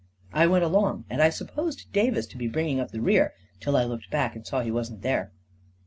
I went along, and I supposed Davis to be bringing up the rear, till I looked bade and saw he wasn't there.